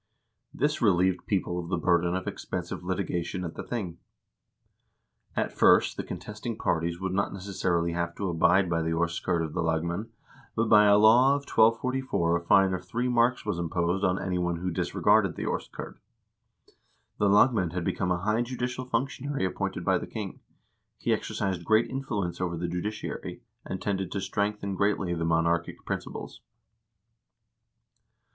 This relieved people of the burden of expensive litigation at the thing. At first the contending parties would not necessarily have to abide by the orskurd of the lagmand, but by a law of 1244 a fine of three marks was imposed on any one who disregarded the orskurd.1 The lagmand had become a high judicial functionary appointed by the king. He exercised great influence over the judiciary, and tended to strengthen greatly the monarchic principles.